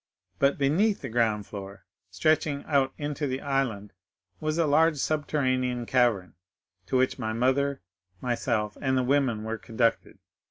But beneath the ground floor, stretching out into the island, was a large subterranean cavern, to which my mother, myself, and the women were conducted.